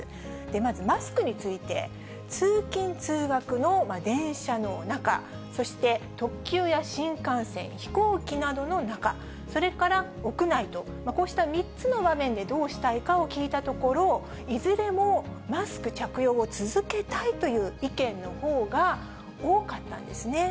まず、マスクについて、通勤・通学の電車の中、そして特急や新幹線、飛行機などの中、それから屋内と、こうした３つの場面でどうしたいかを聞いたところ、いずれもマスク着用を続けたいという意見のほうが多かったんですね。